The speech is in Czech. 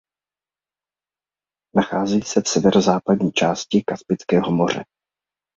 Nacházejí se v severozápadní části Kaspického moře.